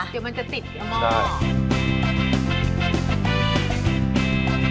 เดี๋ยวมันจะติดถามโม่